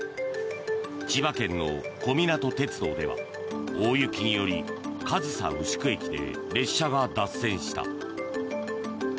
千葉県の小湊鉄道では大雪により上総牛久駅で列車が脱線した。